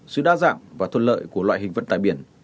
sự đa dạng và thuận lợi của loại hình vận tải biển